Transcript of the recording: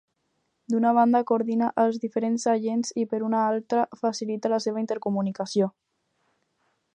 D'una banda, coordina als diferents agents i, per una altra, facilita la seva intercomunicació.